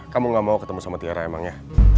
kamu gak mau ketemu sama tiara emangnya